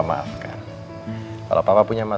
maaf lah herbatin ya ma